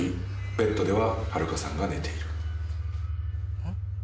ベッドではハルカさんが寝ているうん？